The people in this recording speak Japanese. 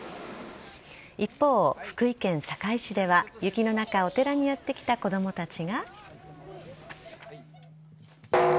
一方、福井県坂井市では、雪の中、お寺にやって来た子どもたちが。